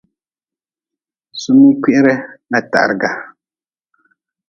Sumi kwihre n tahrga.